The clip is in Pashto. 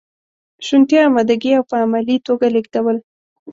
شونتیا، امادګي او په عملي توګه لیږدول.